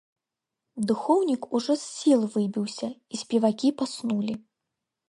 Духоўнік ужо з сіл выбіўся і спевакі паснулі!